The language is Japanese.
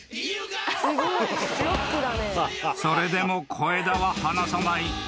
［それでも小枝は離さない］